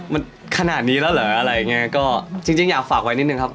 มันขนาดนี้แล้วเหรออะไรอย่างเงี้ยก็จริงจริงอยากฝากไว้นิดนึงครับ